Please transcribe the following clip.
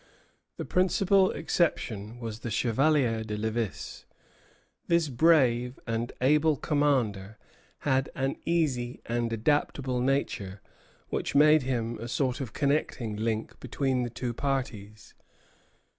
The principal exception was the Chevalier de Lévis. This brave and able commander had an easy and adaptable nature, which made him a sort of connecting link between the two parties.